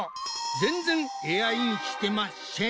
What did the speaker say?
全然エアインしてましぇん！